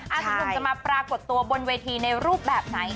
หนุ่มจะมาปรากฏตัวบนเวทีในรูปแบบไหน